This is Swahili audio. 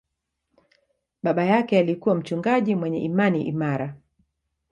Baba yake alikuwa mchungaji mwenye imani imara.